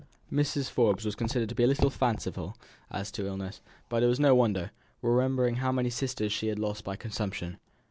Mrs. Forbes was considered to be a little fanciful as to illness; but it was no wonder, remembering how many sisters she had lost by consumption.